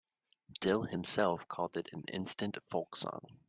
Dill himself called it an instant folksong.